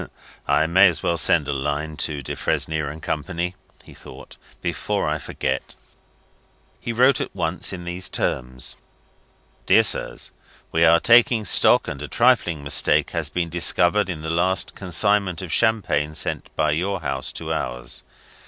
"I may as well send a line to Defresnier and Company," he thought, "before I forget it." He wrote at once in these terms: "Dear Sirs. We are taking stock, and a trifling mistake has been discovered in the last consignment of champagne sent by your house to ours.